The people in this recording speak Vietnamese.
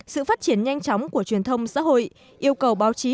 sự phát triển nhanh chóng của truyền thông xã hội yêu cầu báo chí